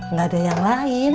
nggak ada yang lain